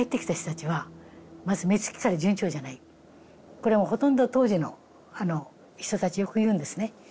これはほとんど当時の人たちよく言うんですね。